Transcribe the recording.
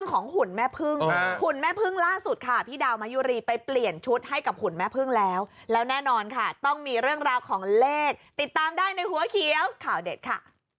หุ่นแม่พึ่งหุ่นแม่พึ่งล่าสุดค่ะพี่ดาวมายุรีไปเปลี่ยนชุดให้กับหุ่นแม่พึ่งแล้วแล้วแน่นอนค่ะต้องมีเรื่องราวของเลขติดตามได้ในหัวเขียวข่าวเด็ดค่ะ